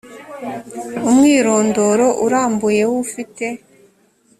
umwirondoro urambuye w ufite